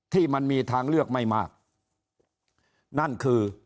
ที่มันมีทางเลือกไม่มากนั่นคือ